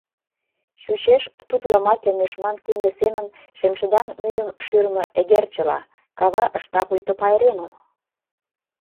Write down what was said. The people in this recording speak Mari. Чучеш тутло маке нӧшман кинде семын, шемшыдаҥ мӱйым шӱрымӧ эгерчыла, — кава ышта пуйто пайремым.